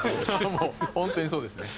もう本当にそうですね。